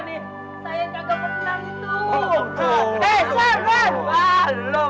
saya kagak pernah gitu